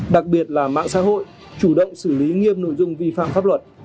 đặc biệt là mạng xã hội chủ động xử lý nghiêm nội dung vi phạm pháp luật